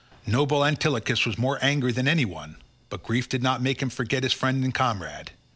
Noble Antilochus was more angry than any one, but grief did not make him forget his friend and comrade.